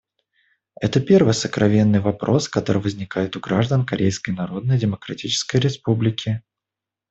Это первый сокровенный вопрос, который возникает у граждан Корейской Народно-Демократической Республики.